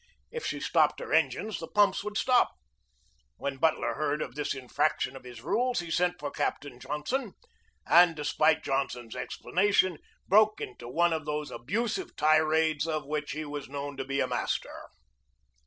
If she stopped her en gines the pumps would stop. When Butler heard of this infraction of his rules he sent for Captain Johnson, and, despite Johnson's explanation, broke into one of those abusive tirades of which he was known to be a master.